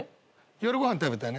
夜ご飯食べたね。